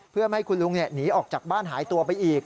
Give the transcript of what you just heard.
เพื่อไม่ให้คุณลุงหนีออกจากบ้านหายตัวไปอีก